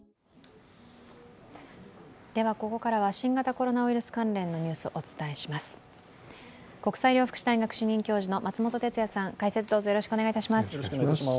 ここからは新型コロナウイルス関連のニュース、お伝えします。